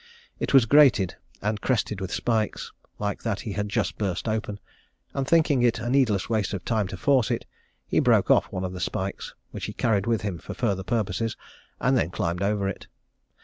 It was grated, and crested with spikes, like that he had just burst open; and thinking it a needless waste of time to force it, he broke off one of the spikes, which he carried with him for further purposes, and then climbed over it.